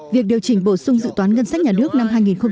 việc điều chỉnh bổ sung dự toán ngân sách nhà nước năm hai nghìn hai mươi